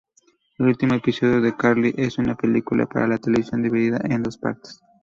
El último episodio de "iCarly" es una película para televisión dividida en dos partes.